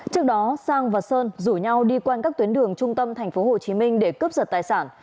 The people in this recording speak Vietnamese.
trước đó sang và sơn rủ nhau đi quanh các tuyến đường trung tâm tp hcm để cướp giật tài sản